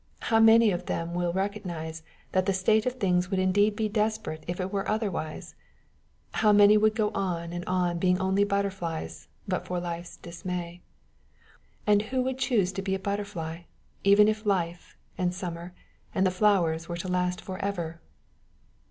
How few of them will recognize that the state of things would indeed be desperate were it otherwise! How many would go on and on being only butterflies, but for life's dismay! And who would choose to be a butterfly, even if life and summer and the flowers were to last for ever!